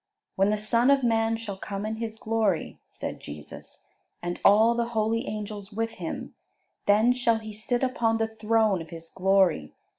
"When the Son of Man shall come in His glory," said Jesus, "and all the holy angels with Him, then shall He sit upon the throne of His glory.